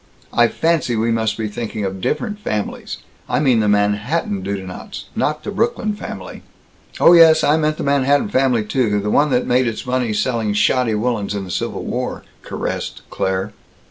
I fancy we must be thinking of different families. I mean the Manhattan Dudenants, not the Brooklyn family." "Oh, yes, I meant the Manhattan family, too the one that made its fortune selling shoddy woolens in the Civil War," caressed Claire.